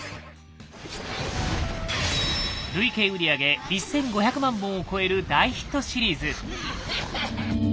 累計売り上げ１，５００万本を超える大ヒットシリーズ。